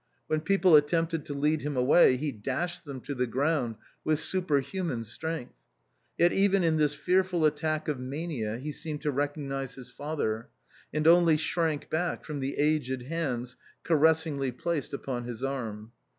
When people attempted to lead him away, he dashed them to the ground with superhuman strength. Yet even in this fearful attack of mania he seemed to recognise his father, and only shrank back from the aged hands caressingly placed upon his arm.